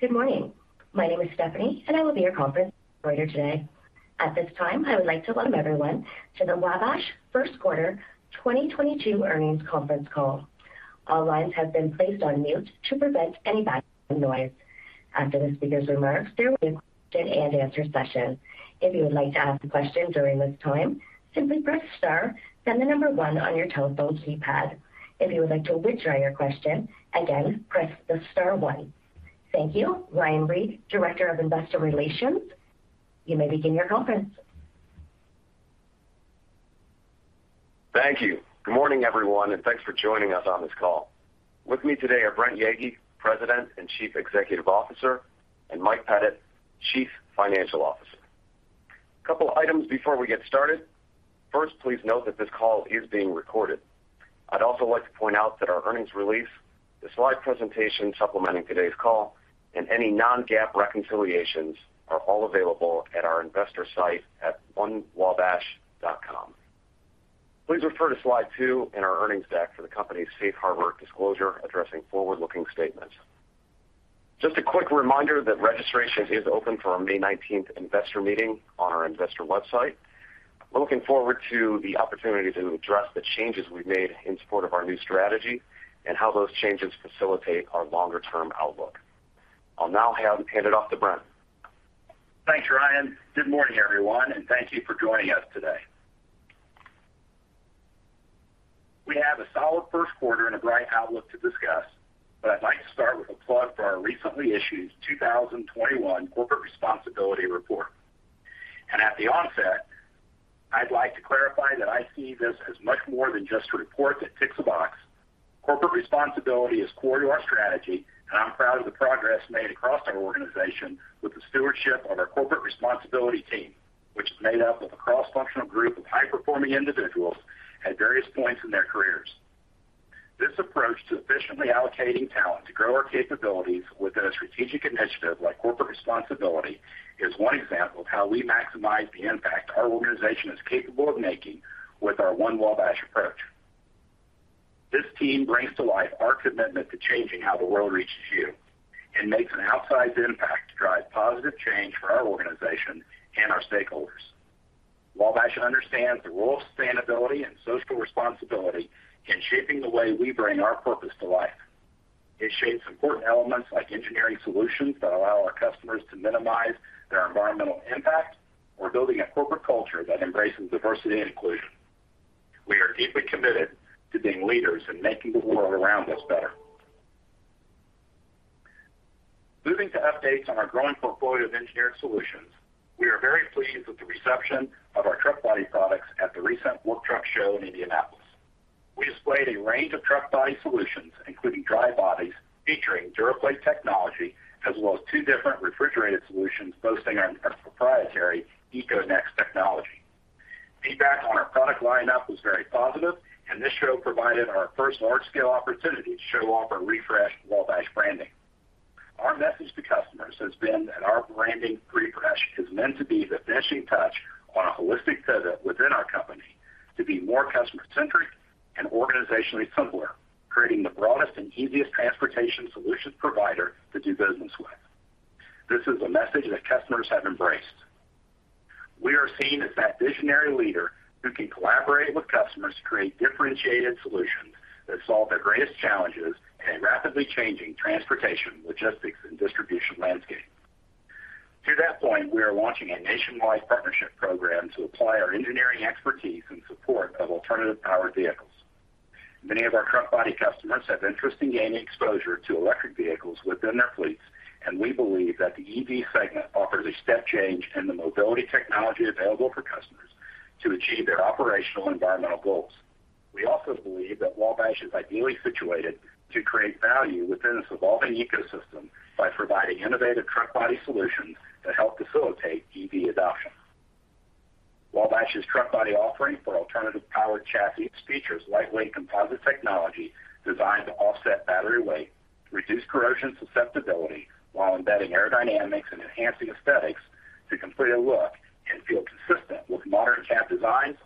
Good morning. My name is Stephanie, and I will be your conference coordinator today. Welcome to the Wabash First Quarter 2022 earnings conference call. All lines have been placed on mute. Following the speaker's remarks, we will conduct a question-and-answer session. Good morning, and thank you for joining us. With me today are Brent Yeagy, President and Chief Executive Officer, and Mike Pettit, Chief Financial Officer. Please note that this call is being recorded. Thank you, Ryan. Good morning, and thank you for joining us. We have a solid first quarter and a positive outlook to discuss, but I will begin by highlighting our recently issued 2021 Corporate Responsibility Report. This is significantly more than a check-the-box exercise; corporate responsibility is a core component of our strategy. This team embodies our commitment to "changing how the world reaches you," driving positive change for our stakeholders. Sustainability and social responsibility are central to our purpose, shaping engineering solutions that help customers minimize their environmental impact. We are building a corporate culture that embraces diversity and inclusion and are committed to leadership in community improvement. Feedback on our product lineup was very positive, and the Work Truck Show provided our first large-scale opportunity to showcase the refreshed Wabash branding. This rebranding is the final element of a holistic pivot toward a customer-centric and organizationally simpler model. Our goal is to be the most accessible and comprehensive transportation solutions provider in the industry. Many of our truck body customers are interested in transitioning to electric fleets. We believe the EV segment offers a unique opportunity to help customers achieve both operational and environmental goals. Wabash is well-positioned to create value within this evolving ecosystem by providing innovative truck body solutions that facilitate EV adoption. We are in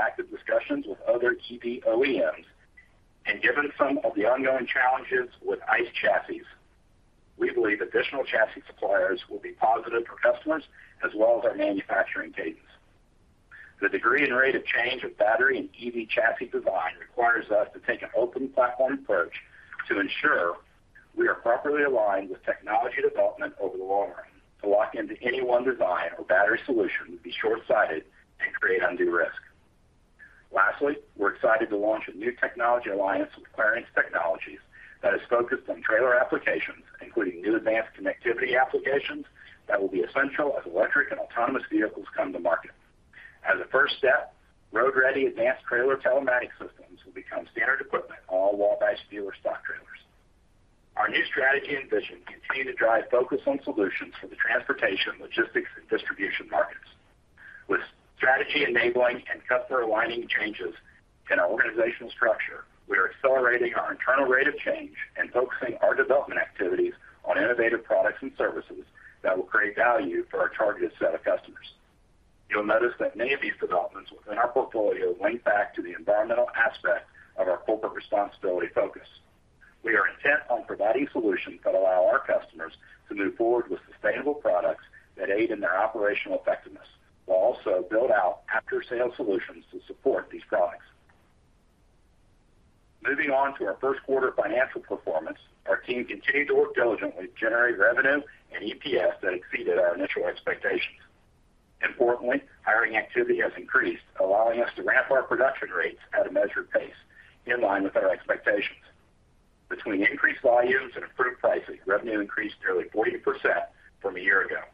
active discussions with other EV OEMs. Given the ongoing challenges with Internal Combustion Engine (ICE) chassis, expanding the supplier base will benefit both our customers and our manufacturing cadence. The rapid evolution of battery and chassis design necessitates an open-platform approach to ensure alignment with long-term technology development. Committing to a single design or battery solution at this stage would be short-sighted and create undue risk. Our new strategy and vision remain focused on delivering solutions for the transportation, logistics, and distribution markets. By implementing organizational changes that enable our strategy and align with our customers, we are accelerating our internal rate of change. We are focusing development on innovative products and services that create specific value for our target customers. Hiring activity has increased, allowing us to ramp production rates at a measured pace in line with our expectations. Driven by increased volumes and improved pricing, revenue grew nearly 40% compared to the prior year.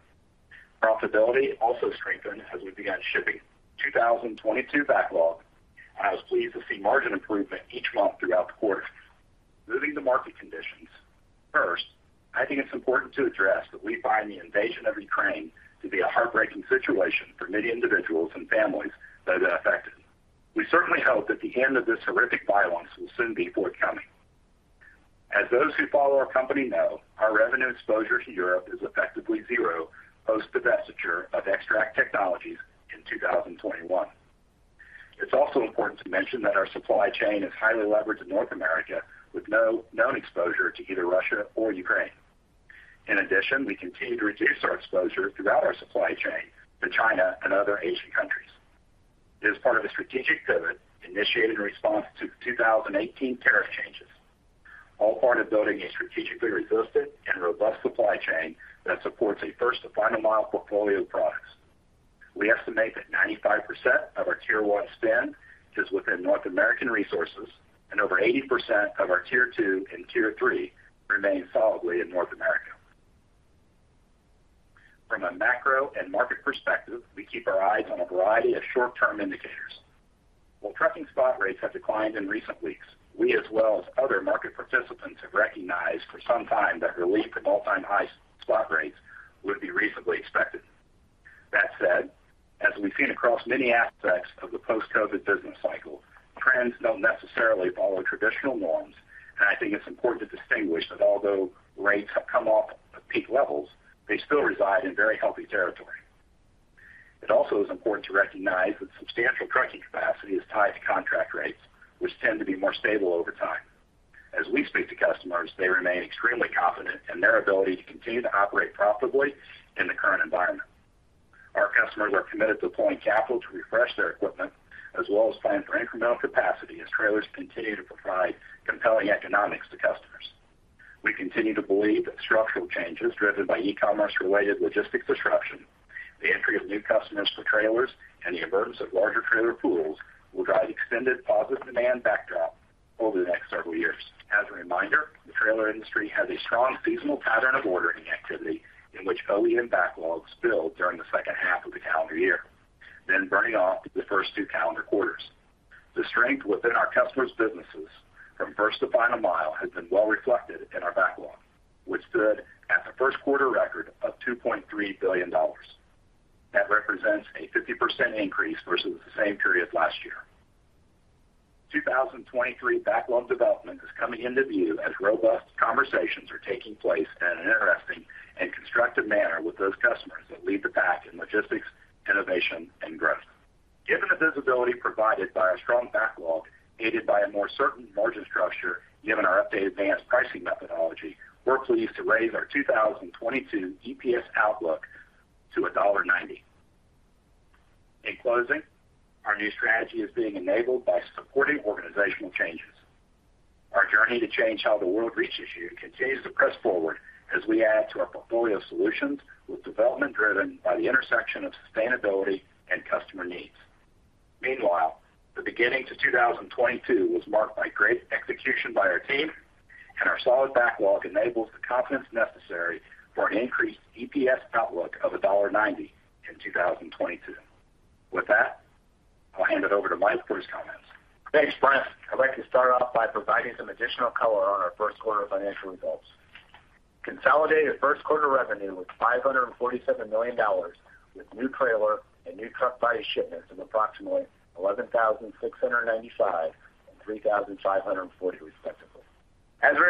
Profitability also strengthened as we began shipping the 2022 backlog, with margin improvement occurring each month throughout the quarter. Our supply chain is highly leveraged in North America, with no exposure to Russia or Ukraine. Since the 2018 tariff changes, we have proactively reduced our exposure to China and other Asian countries. This strategic pivot is designed to build a resistant and robust supply chain that supports our "first-to-final-mile" product portfolio. While trucking spot rates have declined in recent weeks, we and other market participants anticipated a correction from record highs. However, as observed throughout the post-COVID business cycle, current trends do not strictly follow traditional norms. Although rates have decreased from peak levels, they remain in a very healthy range. Structural changes—driven by e-commerce logistics disruption, new customer entrants, and the emergence of larger trailer pools—will continue to support an extended positive demand backdrop for several years. Historically, the trailer industry follows a strong seasonal pattern: OEM backlogs build during the second half of the calendar year and are fulfilled during the first and second quarters. Visibility from our strong backlog, coupled with a more certain margin structure under our advanced pricing methodology, allows us to raise our 2022 EPS outlook to $1.90. Our new strategy is supported by organizational changes that continue to drive our mission to change "how the world reaches you." Consolidated first quarter revenue was $547 million, with new trailer and new truck body shipments of approximately 11,695 and 3,540 units, respectively.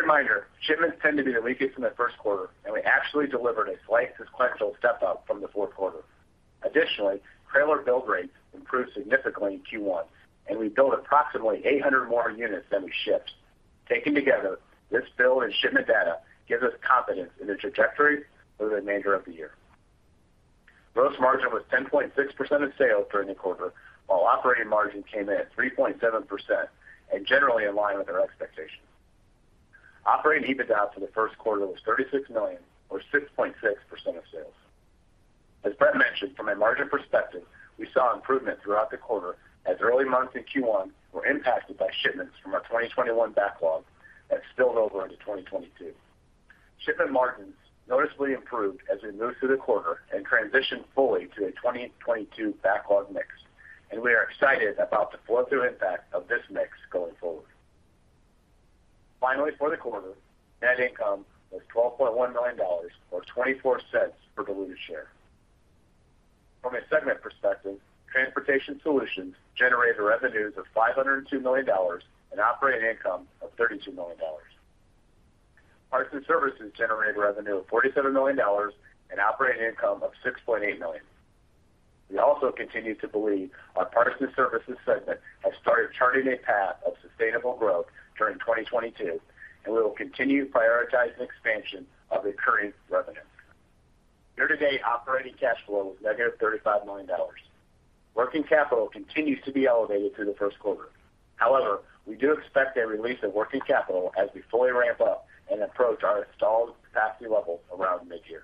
While shipments are typically weakest in the first quarter, we achieved a slight sequential increase from the fourth quarter. Operating EBITDA for the first quarter was $36 million, or 6.6% of sales. As Brent mentioned, margins improved throughout the quarter. Performance in early Q1 was impacted by the fulfillment of 2021 backlog orders that carried over into 2022. We believe our Parts & Services segment has established a path of sustainable growth in 2022, and we will continue prioritizing recurring revenue expansion. Year-to-date operating cash flow was -$35 million, as working capital remained elevated through the first quarter. We expect a release of working capital as we reach installed capacity levels by mid-year.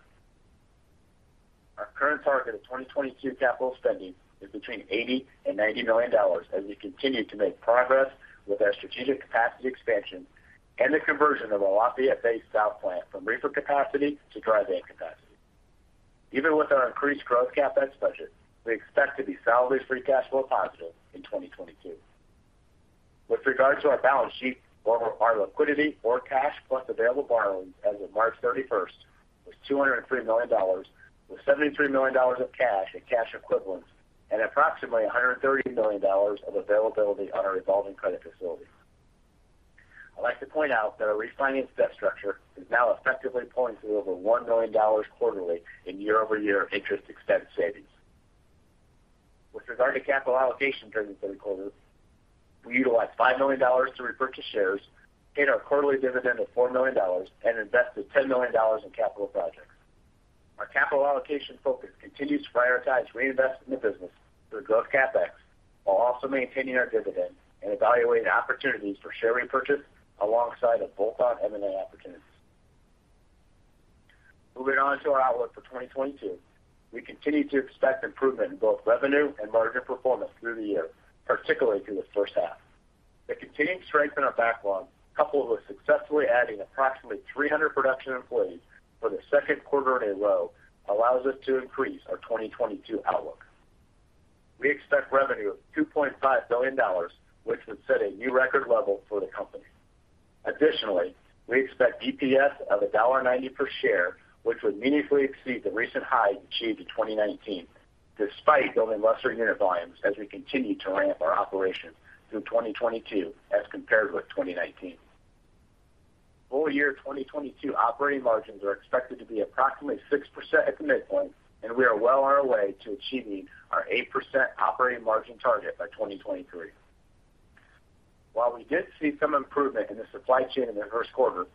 As of March 31, our liquidity—comprised of cash and available borrowings—was $203 million. This includes $73 million in cash and cash equivalents and approximately $130 million available on our revolving credit facility. Our refinanced debt structure is now generating over $1 million in quarterly year-over-year interest expense savings. Regarding our 2022 outlook, we anticipate continued improvement in revenue and margin performance throughout the year, particularly in the first half. Our strong backlog, supported by the addition of approximately 300 production employees for the second consecutive quarter, allows us to increase our guidance. Full-year 2022 operating margins are expected to be approximately 6% at the midpoint, positioning us to achieve our 8% operating margin target by 2023. While we observed slight supply chain improvements in the first quarter,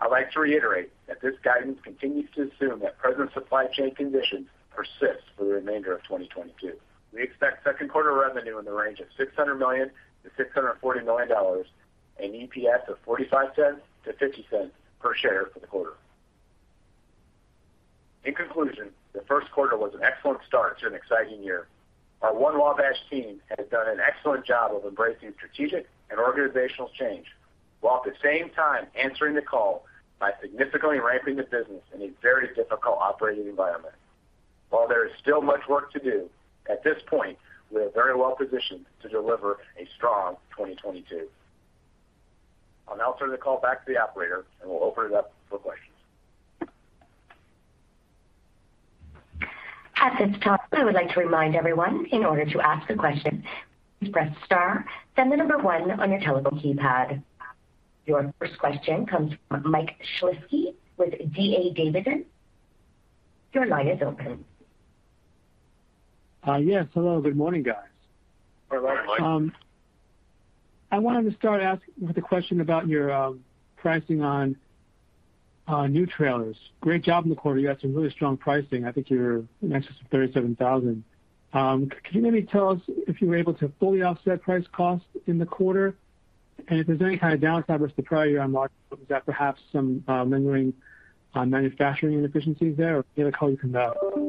our guidance assumes that current supply chain constraints will persist for the remainder of 2022. While significant work remains, we are well-positioned to deliver a strong 2022. I will now turn the call back to the operator to open the floor for questions. To ask a question, please press *1 on your telephone keypad. Our first question comes from Mike Shlisky with D.A. Davidson. Your line is now open. Yes, hello. Good morning, guys. Good morning, Mike. I want to begin by asking about new trailer pricing. You achieved strong pricing in the quarter, exceeding $37,000 per unit. Were you able to fully offset price-costs during the period? If there was any margin downside compared to the prior year, was that due to lingering manufacturing inefficiencies or other factors? Any price-cost gap in Q1 resulted from 2021 backlog that slipped into 2022. As discussed on our last call, those units compressed material margins in the first quarter. That transition is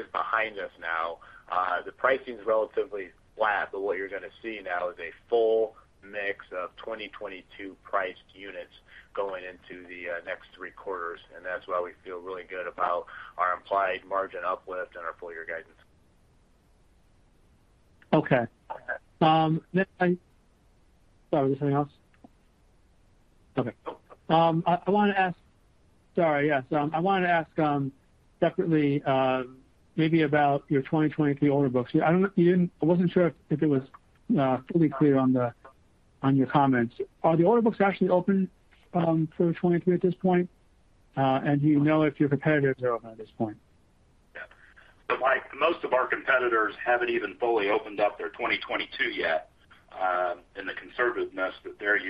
now behind us. While pricing remains relatively flat, the next three quarters will feature a full mix of 2022 priced units, supporting our implied margin expansion and full-year guidance. Regarding the 2023 order books, I wanted to clarify your previous comments. Are the order books officially open for 2023 at this stage, and do you have visibility into whether your competitors have opened theirs? Most of our competitors have not fully opened their 2022 order books, reflecting a conservative approach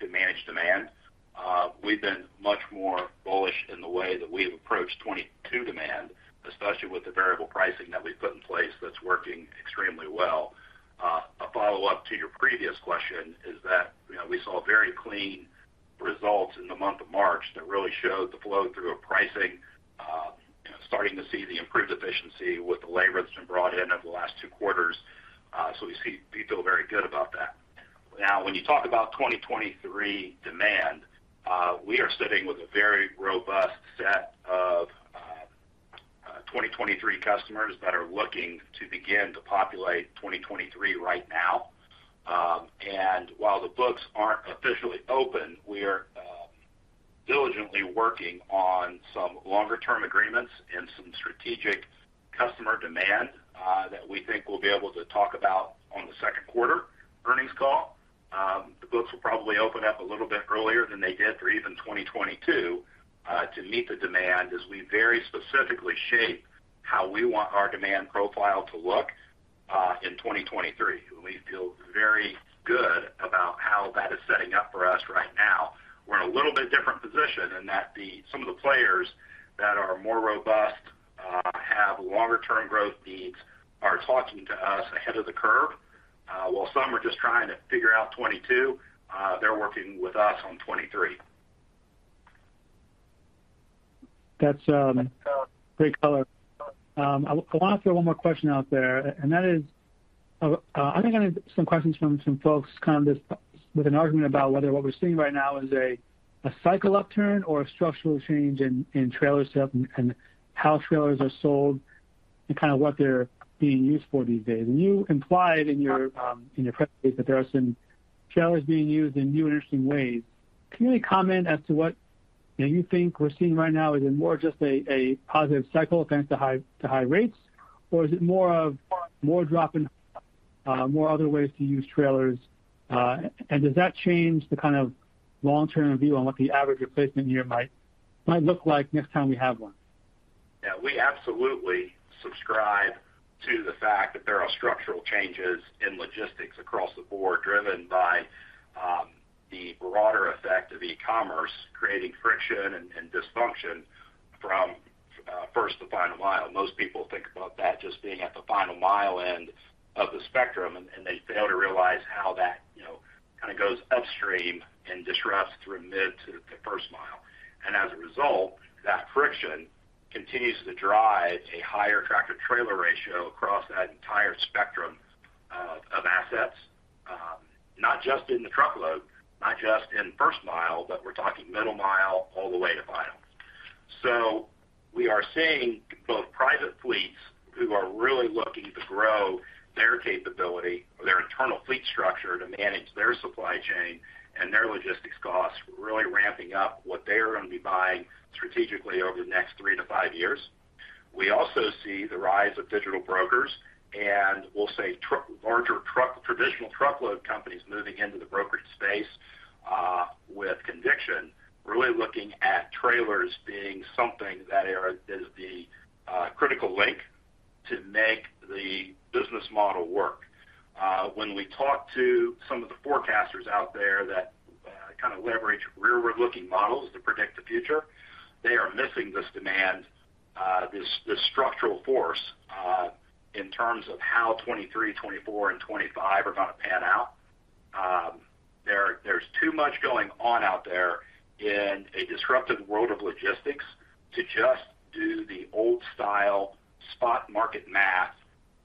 to managing demand. In contrast, we have been significantly more bullish in our strategy for 2022. Our proactive approach allows us to secure market share while others remain cautious. Our variable pricing model is performing exceptionally well. March results demonstrated clean flow-through of this pricing and improved labor efficiency following two quarters of hiring. We are satisfied with the current trajectory of these operational improvements. We anticipate opening our 2023 order books earlier than we did for 2022 to meet high demand and specifically shape our 2023 demand profile. We are encouraged by our current positioning. I want to address whether current market conditions reflect a standard cyclical upturn or a structural change in trailer utilization and sales. Your presentation implied that trailers are being used in new, innovative ways. Are we seeing a positive cycle driven by high rates, or a broader adoption of trailers for alternative logistics functions? Does this structural change alter the long-term view of the average replacement year during the next cycle? We believe there are fundamental structural changes in logistics across the board, driven by e-commerce creating friction and dysfunction from the first to the final mile. While many associate this disruption only with the final mile, it also moves upstream to disrupt the middle and first mile. Private fleets are expanding their internal structures to manage supply chain logistics and costs, strategically increasing their procurement outlook over the next three to five years. We also observe digital brokers and traditional truckload companies moving into the brokerage space with conviction. These players view trailers as the critical link for their business models. The disruptive nature of modern logistics renders traditional spot market math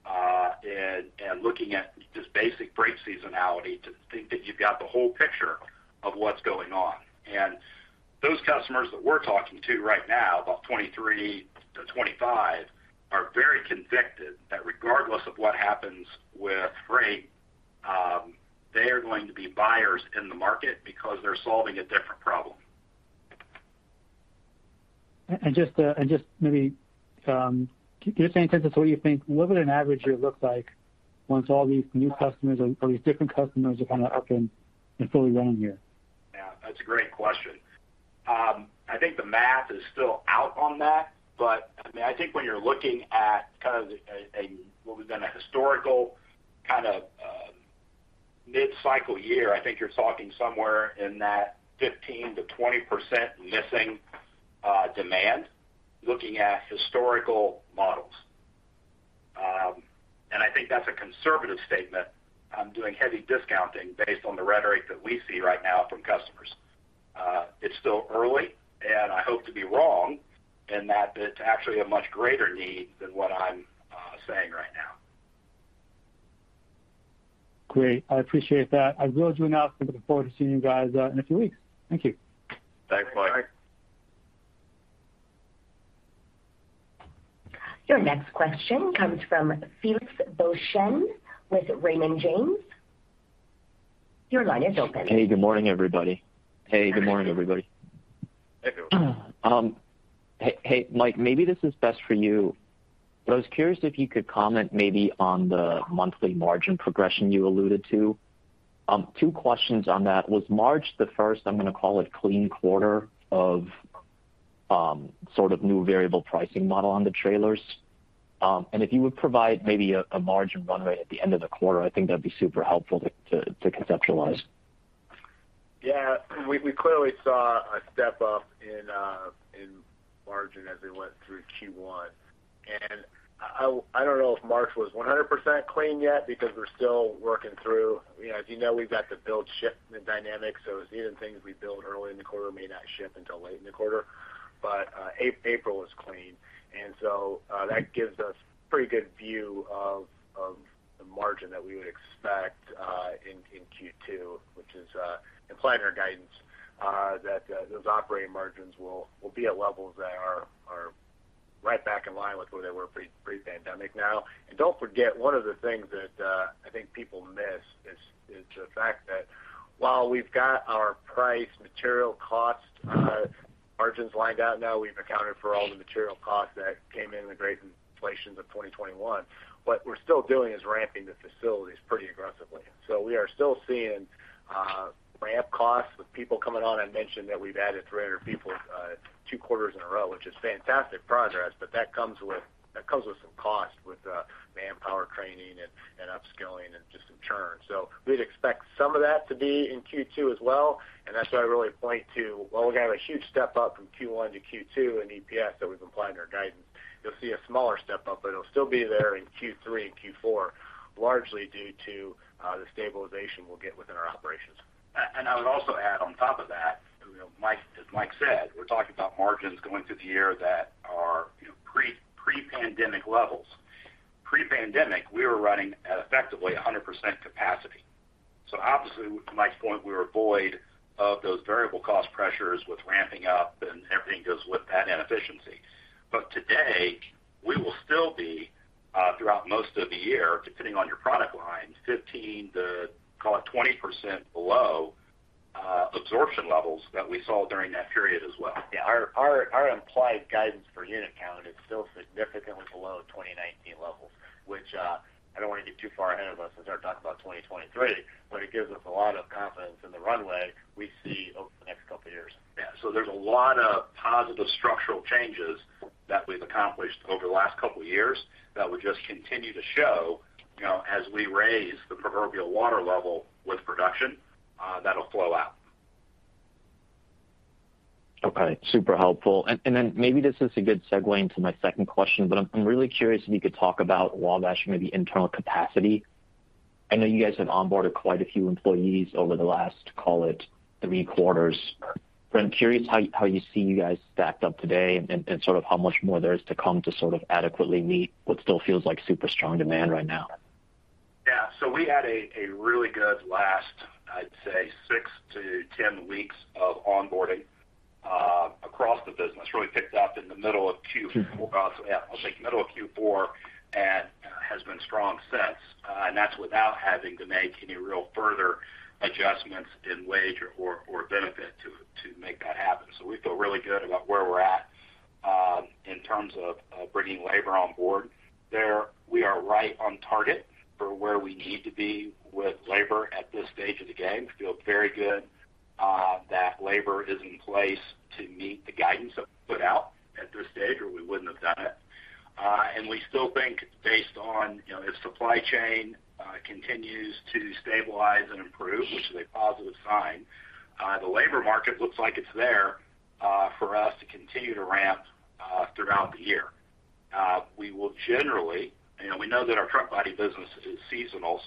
and basic rate seasonality insufficient for understanding the full industry landscape. Customers engaging with us for the 2023–2025 period are convinced that, regardless of freight market fluctuations, they will remain active buyers. These strategic partners are focused on solving fundamental structural challenges rather than reacting to short-term cycles. Could you provide a sense of what an average production year might look like once these new customer segments are fully operational? Historically, the industry viewed 225,000 units as a mid-cycle "average" year. However, with the structural shifts in e-commerce and the increasing trailer-to-tractor ratio, we believe the new baseline is significantly higher. Great. I appreciate that. I will do enough and look forward to seeing you guys in a few weeks. Thank you. Thanks, Mike. Your next question comes from Felix Boeschen with Raymond James. Your line is open. Hey, good morning, everybody. I am curious about the monthly margin progression you mentioned. Was March the first "clean" month for the new variable pricing model on trailers? Additionally, could you provide a margin runway for the end of the quarter to help us conceptualize the trajectory? We observed a clear margin step-up throughout the first quarter. While March was not yet 100% "clean" due to build-to-ship dynamics—where units built early in the quarter may not ship until late in the period—April was clean. This provides high visibility into our Q2 margins, which we expect to return to pre-pandemic levels. While our pricing, material costs, and margins are now aligned, we continue to ramp our facilities aggressively. This expansion includes the addition of 300 production employees for two consecutive quarters. This progress involves significant costs related to manpower training, upskilling, and labor churn. We expect these training costs to persist into Q2. While our guidance implies a significant EPS step-up from Q1 to Q2, further incremental improvements in Q3 and Q4 will be driven by operational stabilization. Our projected margins are returning to pre-pandemic levels. However, during the pre-pandemic period, we operated at 100% capacity and were void of the variable cost pressures associated with a large-scale labor ramp. Today, we remain 15% to 20% below those historical absorption levels across most product lines. Our implied unit count remains significantly below 2019 levels. This disparity provides immense confidence in our growth runway over the next several years as we bridge that volume gap. Several positive structural changes implemented over the last two years will become increasingly evident as we raise production levels. Could you discuss your internal capacity? You have onboarded a significant number of employees over the last three quarters. How do you view your current staffing levels, and what further scaling is required to meet the current strength in demand? We experienced a strong 10-week period of onboarding that gained momentum in mid-Q4 and has remained robust. Notably, we achieved this without further adjustments to wages or benefits. We are currently on target with our labor requirements and are confident the necessary workforce is in place to meet our updated guidance As the supply chain stabilizes, the labor market appears sufficient to support continued ramping throughout the year. While our Truck Body business follows its typical seasonal patterns, we expect the Trailer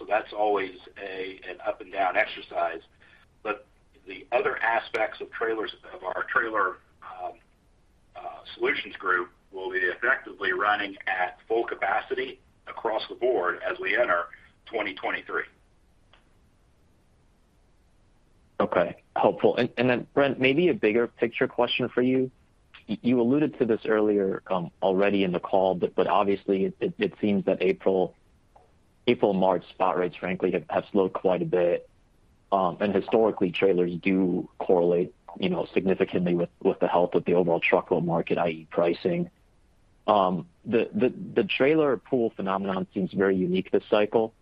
Solutions group to be running at effective full capacity across the board as we enter 2023. March and April spot rates have slowed significantly. Historically, trailer demand correlates strongly with the health and pricing of the truckload market. However, the trailer pool phenomenon appears unique to this cycle.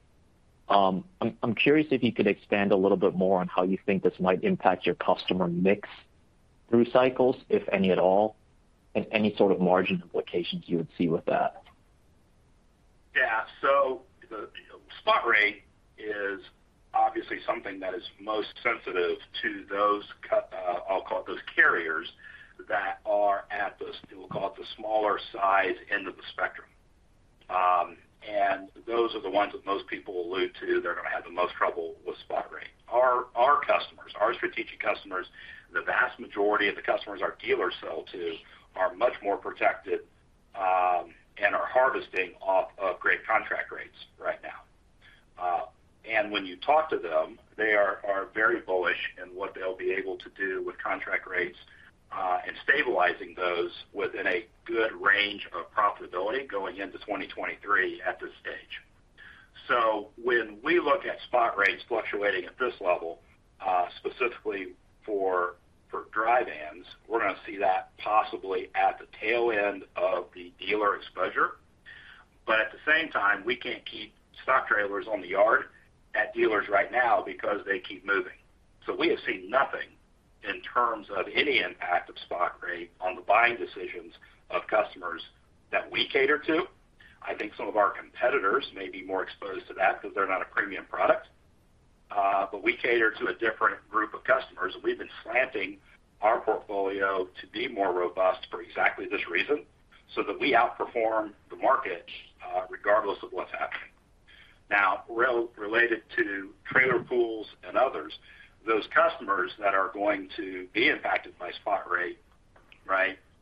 How might this impact your customer mix through various cycles, and what are the potential margin implications? Spot rate volatility primarily affects smaller carriers at the lower end of the spectrum. Our strategic customers and the vast majority of our dealers' clients are better protected, as they are currently harvesting strong contract rates. These customers remain bullish regarding their ability to maintain profitable contract rates into 2023. While spot rates for dry vans are fluctuating, we have seen no impact on the buying decisions of our target customer base. Unlike some competitors who may be more exposed due to non-premium product offerings, we have intentionally slanted our portfolio toward a robust group of customers to outperform the market regardless of conditions. Furthermore, trucks and drivers impacted by spot rate shifts will transition elsewhere. We believe this will further embolden the power-only model and accelerate the expansion of trailer pools. This trend supports digital brokers and truckload groups in funding their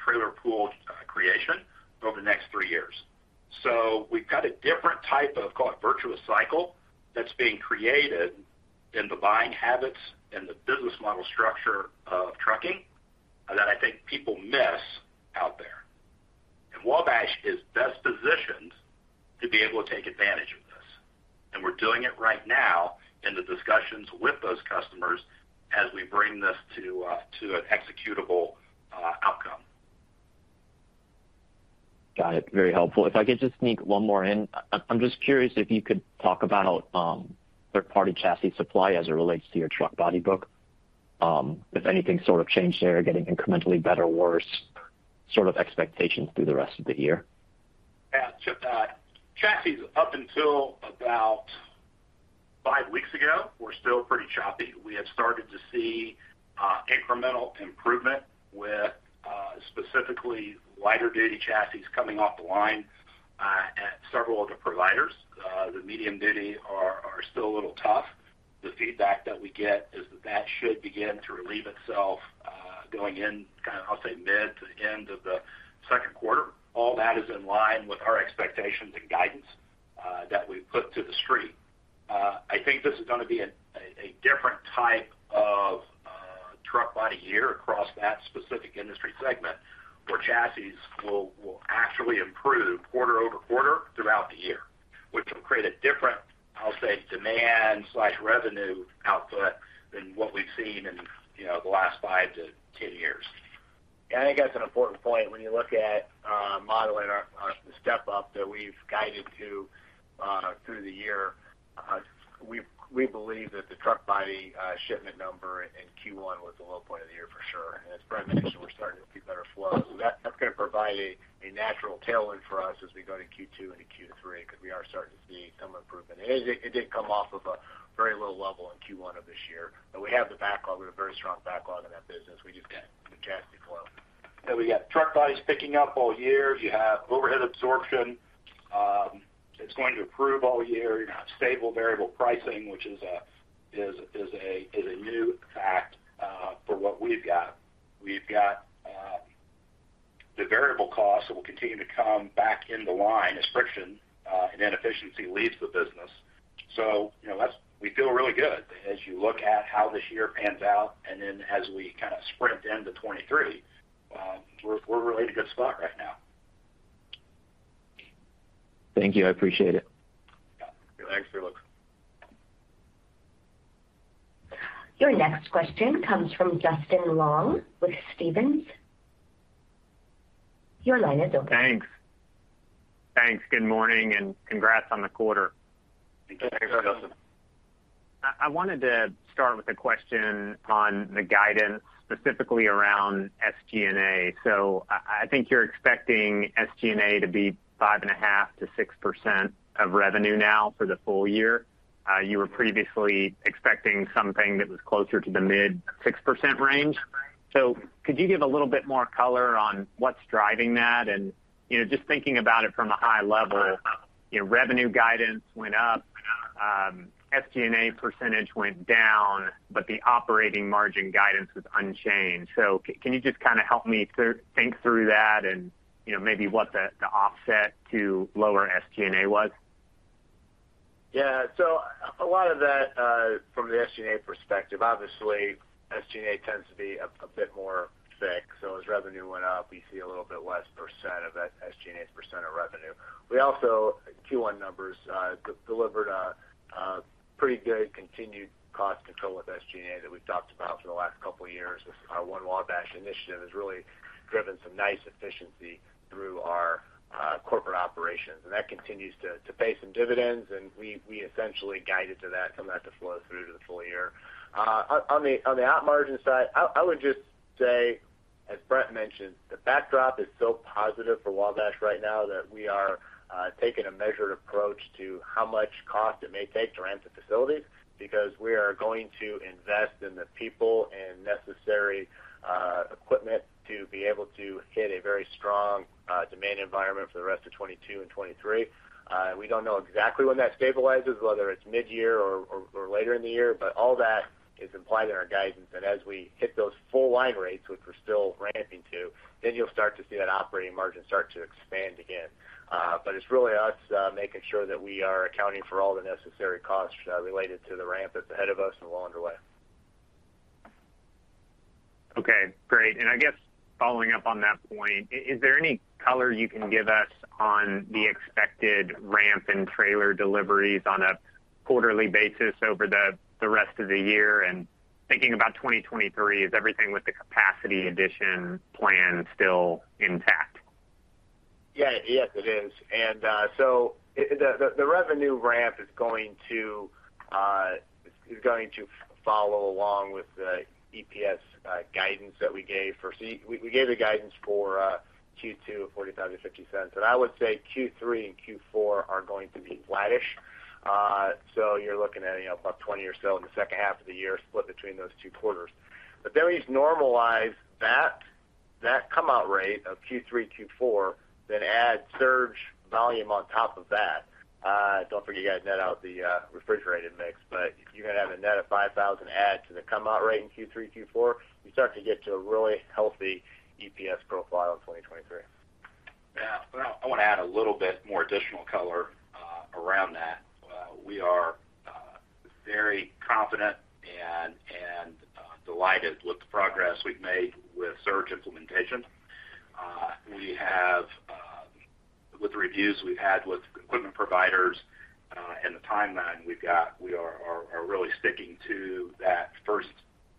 trailer pool creation over the next three years. This creates a virtuous cycle in buying habits and business models that the market currently overlooks. Wabash is uniquely positioned to capitalize on this shift, and we are currently finalizing executable outcomes with these customers. Could you discuss third-party chassis supply as it relates to your Truck Body order book? Has the situation improved or deteriorated, and what are your expectations for the remainder of the year? Chassis supply remained inconsistent until approximately five weeks ago. We are now seeing incremental improvements, specifically with light-duty chassis from several providers. While medium-duty chassis remain constrained, we expect relief beginning in the mid-to-late second quarter. It is important to note that our Q1 truck body shipment numbers represent the low point for the year. As chassis flow improves, it will provide a natural tailwind moving from Q2 into Q3. Our backlog in the Truck Body business remains exceptionally strong; we simply require consistent chassis flow to execute. We anticipate Truck Body production increasing throughout the year, which will steadily improve our overhead absorption. Additionally, we now benefit from stable variable pricing—a new structural advantage for our business. Thank you. I appreciate the insight. Your next question comes from Justin Long with Stephens. Your line is open. Good morning and congratulations on the quarter. I wanted to start with a question on the guidance, specifically around SG&A. I think you're expecting SG&A to be 5.5%-6% of revenue now for the full year. You were previously expecting something that was closer to the mid-6% range. Could you give a little bit more color on what's driving that? You know, just thinking about it from a high level, you know, revenue guidance went up, SG&A percentage went down, but the operating margin guidance was unchanged. Can you just kind of help me think through that and, you know, maybe what the offset to lower SG&A was? Yeah. A lot of that, from the SG&A perspective, obviously SG&A tends to be a bit more thick. As revenue increased, we observed a reduction in SG&A as a percentage of revenue. Our Q1 results demonstrated continued cost control, a direct result of the One Wabash initiative which has driven significant efficiency throughout our corporate operations. These improvements are now paying dividends, and our updated guidance reflects this efficiency flowing through to the full fiscal year. Regarding operating margins, we are taking a measured approach to the costs required to ramp our facilities. We are investing in the personnel and equipment necessary to meet a robust demand environment through 2022 and 2023. We are ensuring that all necessary costs related to the current and upcoming manufacturing ramp are fully accounted for. This measured approach allows us to manage the expansion effectively as it remains well underway across our facilities. I guess following up on that point, is there any color you can give us on the expected ramp and trailer deliveries on a quarterly basis over the rest of the year? Thinking about 2023, is everything with the capacity addition plan still intact? The capacity addition plan remains fully intact, and the revenue ramp will align with our 2023 EPS guidance. We have guided to $0.40–$0.50 for Q2. We expect Q3 and Q4 to be relatively flat, with approximately $0.20 in the second half of the year split between those two quarters. We are highly confident in our progress regarding the surge implementation. Based on our reviews with equipment providers and our current timeline, we remain committed to a Q1 2023 launch. Customer demand and expectations for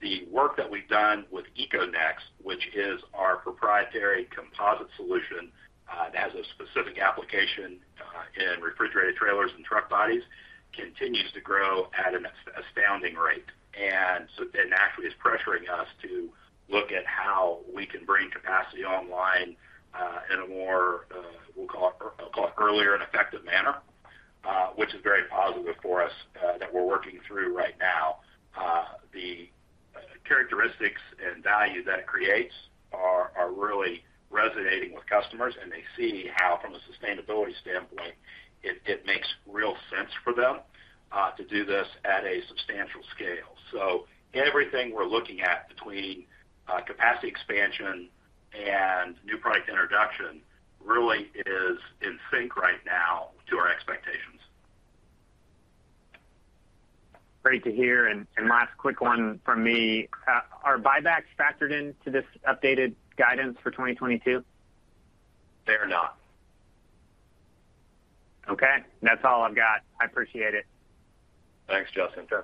this additional capacity align perfectly with our initial projections. Our proprietary composite solution, EcoNex, continues to grow at an astounding rate within our refrigerated trailer and truck body segments. This demand is pressuring us to accelerate our capacity expansion plans to bring production online earlier and more effectively. Are share buybacks factored into this updated guidance for 2022? They are not. I appreciate the clarification.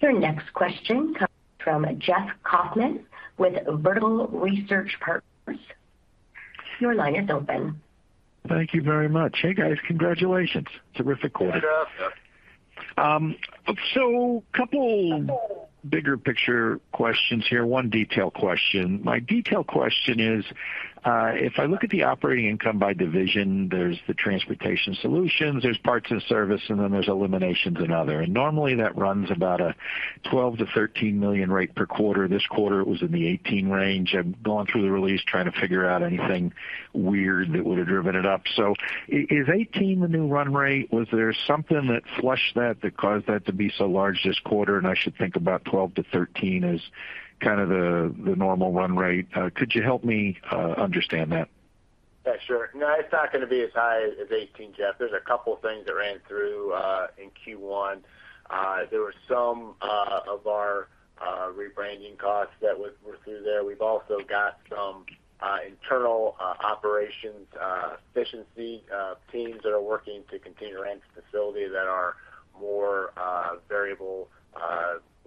Your next question comes from Jeff Kauffman with Vertical Research Partners. Your line is now open. Thank you. Congratulations on a terrific quarter. My specific question concerns operating income by division. The "Eliminations and Other" line typically runs at a $12 million to $13 million quarterly rate, but this quarter it reached $18 million. Is $18 million the new run rate, or were there specific items in Q1 that caused this increase? The $18 million figure is not the new permanent run rate. Q1 included rebranding costs and expenses related to internal operations efficiency teams working on facility ramps. These are variable, one-time costs. We expect these drivers to normalize, bringing the rate back closer to historical levels. Should we expect that normalization to occur later this year, or was the impact mostly localized to Q1? I am looking for clarity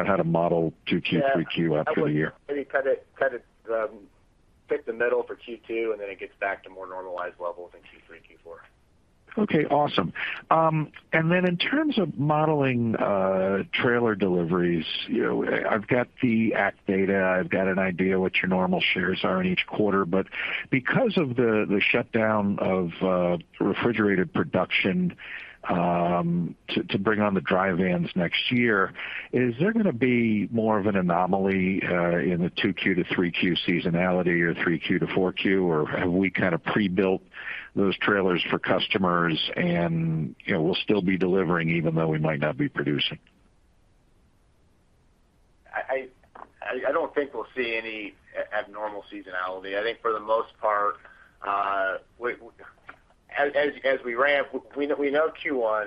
on how to model Q2 and Q3. I would model a midpoint for Q2, with the rate returning to more normalized levels in Q3 and Q4. Regarding trailer delivery modeling, does the shutdown of refrigerated production—to facilitate the transition to dry vans next year—create a seasonal anomaly in Q2 or Q3? Have you pre-built inventory to ensure consistent deliveries to customers during this transition? We do not anticipate any abnormal seasonality. Historically, Q1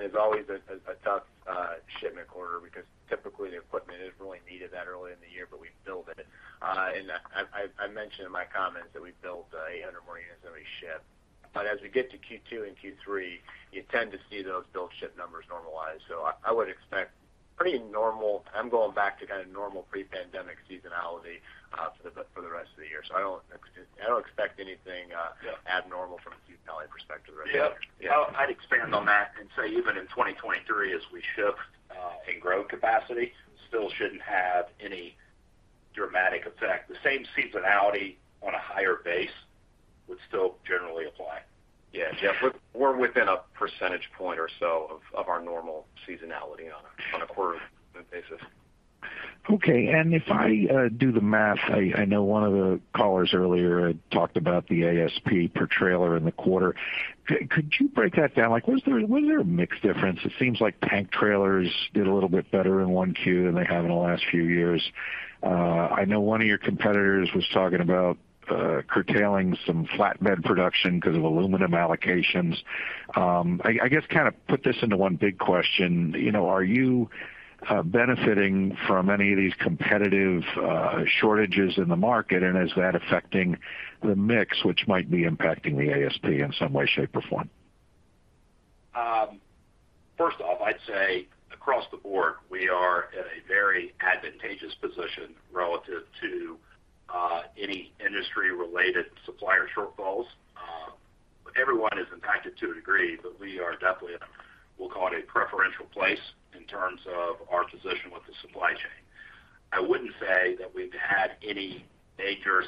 is a challenging shipment quarter as equipment demand is typically lower early in the year, but we continue to build inventory. In Q1, we produced 800 more units than we shipped. As we move into Q2 and Q3, we expect the production-to-shipment ratios to normalize. The delivery cadence should remain consistent with pre-pandemic seasonality for the remainder of the year. We do not expect any significant deviations from those historical trends. Seasonality for the remainder of the year will remain normal. Even as we increase capacity in 2023, we do not expect a dramatic effect on our quarterly cadence; the same seasonal patterns will apply to a higher revenue base. We are currently within a percentage point of our historical quarterly seasonality. Could you break down the Average Selling Price (ASP) per trailer for the quarter? Was there a significant shift in product mix, particularly regarding tank trailers or flatbeds? Furthermore, are you benefiting from competitor supply shortages—such as aluminum allocations—and is that impacting your consolidated ASP? Wabash is in a very advantageous position regarding industry-wide supplier shortfalls. While the entire industry is impacted, we maintain a preferential position within the supply chain. We have not seen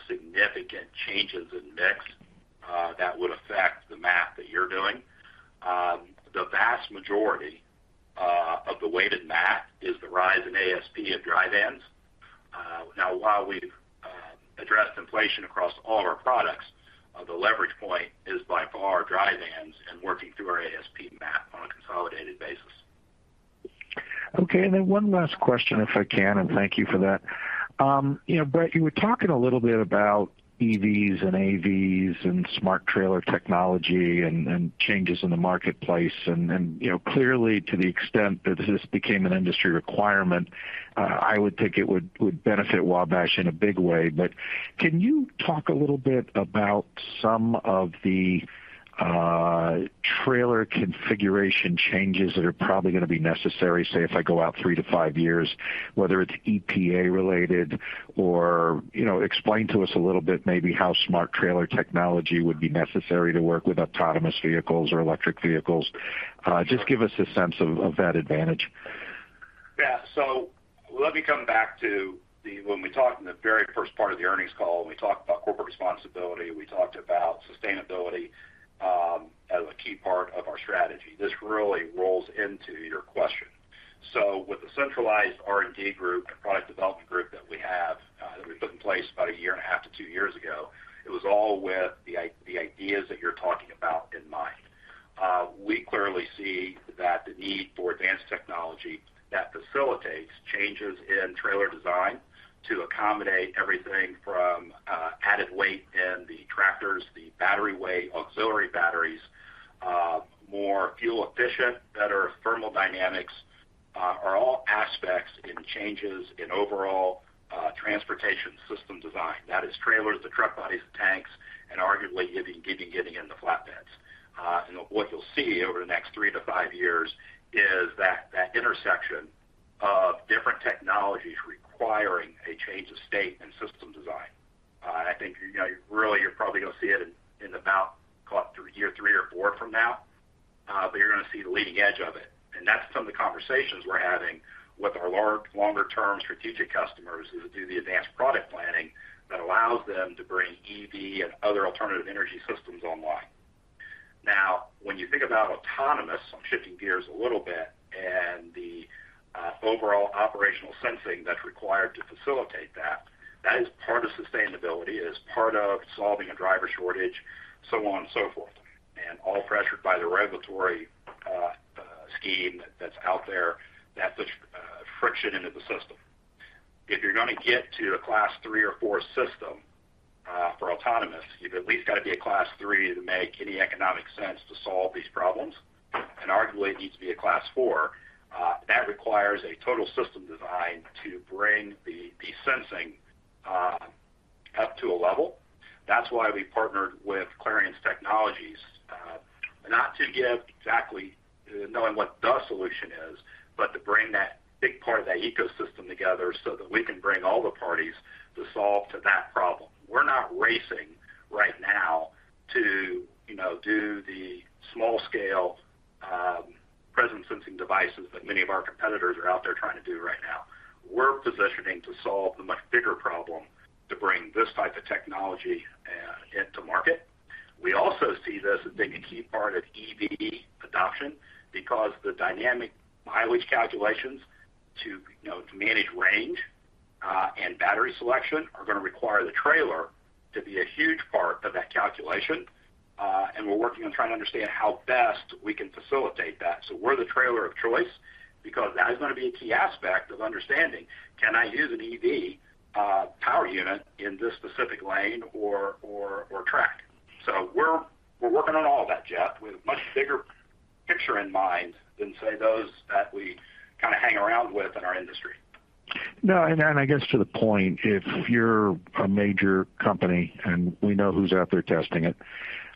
significant changes in product mix that would materially alter your calculations. Looking out three to five years, how will trailer configurations change to accommodate Electric Vehicles (EV) and Autonomous Vehicles (AV)? Could you explain how Smart Trailer technology integrates with these platforms and what specific advantages Wabash holds in this transition? Sure. Just give us a sense of that advantage. Sustainability and corporate responsibility are foundational to our strategy. Our centralized R&D and Product Development groups, established approximately two years ago, were designed specifically to address the technological shifts you've described. This transformation encompasses our trailers, truck bodies, tanks, and flatbeds. Over the next three to five years, the intersection of these technologies will necessitate a fundamental change in state and system design. While we anticipate the leading edge of this shift within three or four years, the groundwork is being laid today. Shifting to autonomous operations, the required operational sensing is intrinsically linked to sustainability and addressing the chronic driver shortage. These advancements are further accelerated by regulatory frameworks that currently create friction within the transportation system. Our partnership with Clarience Technologies is designed to unify the broader ecosystem, bringing all relevant parties together to address complex industry challenges. We are not focused on the small-scale presence-sensing devices currently pursued by our competitors; instead, we are positioning Wabash to solve the structural problems required to bring advanced technology to market at scale. Wabash is the trailer of choice because we provide the critical data necessary to determine if an EV power unit is viable for a specific lane or route. We are developing these solutions with a much broader strategic vision than our industry peers, focusing on the total integration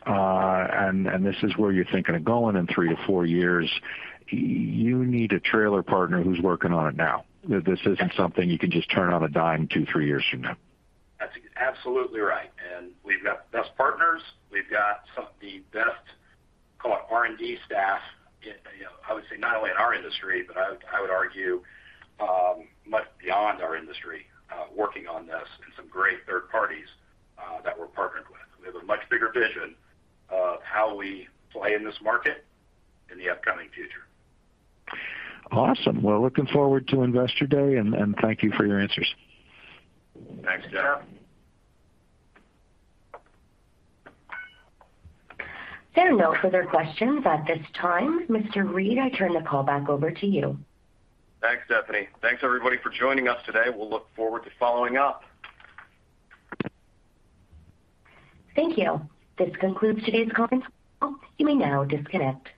of the transportation ecosystem. Major companies currently testing these technologies require a trailer partner engaged in development now. This level of integration cannot be implemented instantaneously in two or three years. That is correct. We have secured the best partners and maintain an R&D staff that rival teams well beyond our industry. Alongside our third-party collaborators, we possess a significantly broader vision for our role in this market's future. I look forward to Investor Day. Thank you for your time. There are no further questions at this time. Mr. Reed, I turn the call back over to you. Thank you everyone for joining us today. We look forward to following up with you soon Thank you. This concludes today's conference call. You may now disconnect.